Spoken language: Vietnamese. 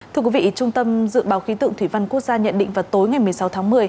thưa quý vị trung tâm dự báo khí tượng thủy văn quốc gia nhận định vào tối ngày một mươi sáu tháng một mươi